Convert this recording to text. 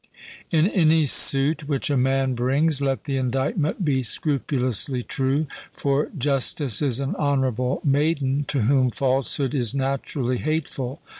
In any suit which a man brings, let the indictment be scrupulously true, for justice is an honourable maiden, to whom falsehood is naturally hateful.